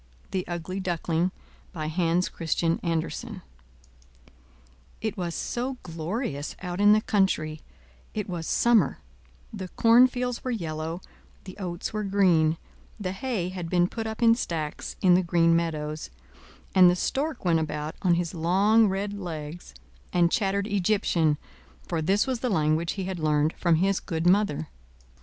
THE UGLY DUCKLING By Hans Christian Andersen It was so glorious out in the country; it was summer; the cornfields were yellow, the oats were green, the hay had been put up in stacks in the green meadows, and the stork went about on his long red legs, and chattered Egyptian, for this was the language he had learned from his good mother.